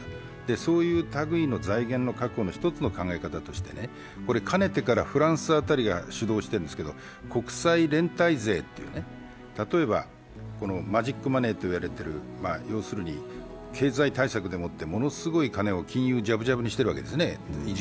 そういうたぐいの財源の確保の１つの考え方として、かねてからフランス辺りが主導してるんですけど国際連帯税という、例えばマジックマネーと言われている、要するに経済対策でもってものすごい金を金融ジャブジャブにしてるわけですね。